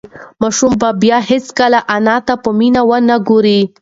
ماشوم به بیا هیڅکله انا ته په مینه ونه گوري.